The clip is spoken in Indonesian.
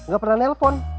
gak pernah nelfon